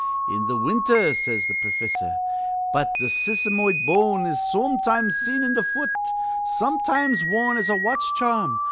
'In th' winter,' says th' profissor. 'But th' sisymoid bone is sometimes seen in th' fut, sometimes worn as a watch charm.